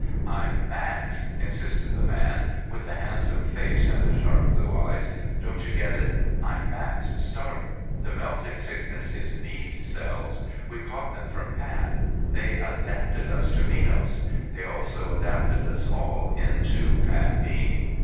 "I'm Max," insisted the man with the handsome face and the sharp blue eyes. "Don't you get it? I'm Max Stark. The melting sickness is Mead cells. We caught them from Pat. They adapted us to Minos. They also changed us all into Pat Mead."